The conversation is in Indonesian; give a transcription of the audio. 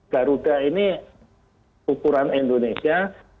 garuda ini ukuran indonesia